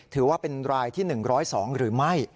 ถือว่าเป็นรายที่๑๐๒หรือไม่